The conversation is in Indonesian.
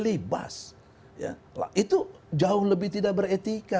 itu jauh lebih tidak beretika